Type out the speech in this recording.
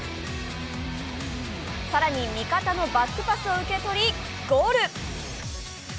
更に味方のバックパスを受け取りゴール。